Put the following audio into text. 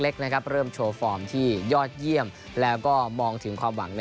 เริ่มโชว์ฟอร์มที่ยอดเยี่ยมแล้วก็มองถึงความหวัง